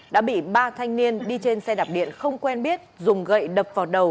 đã bị ba thanh niên đi trên xe đạp điện không quen biết dùng gậy đập vào đầu